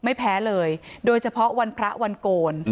ไม่แพ้เลยโดยเฉพาะวันพระวันโกน